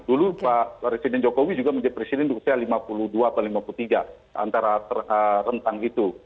dulu pak presiden jokowi juga menjadi presiden di usia lima puluh dua atau lima puluh tiga antara rentang itu